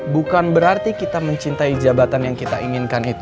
bukan berarti kita mencintai jabatan yang kita lakukan